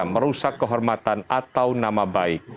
merusak kehormatan atau nama baik